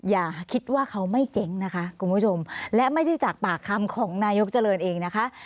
อย่าคิดว่าเขาไม่เจ๊งนะคะคุณผู้ชมและไม่ใช่จากปากคำของนายกเจริญเองนะคะ